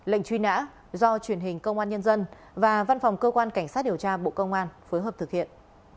lệnh truy nã do truyền hình công an nhân dân và văn phòng cơ quan cảnh sát điều tra bộ công an phối hợp thực hiện